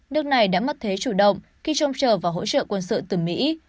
nước này đã mất thế chủ động khi trông trở vào hỗ trợ quân sự từ mỹ